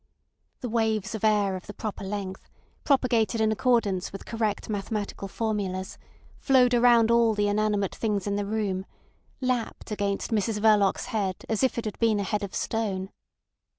The waves of air of the proper length, propagated in accordance with correct mathematical formulas, flowed around all the inanimate things in the room, lapped against Mrs Verloc's head as if it had been a head of stone.